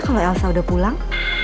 kalau elsa udah pulang